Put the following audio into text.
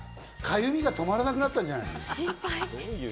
痒みが止まらなくだったんじゃないの？